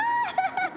ハハハハ！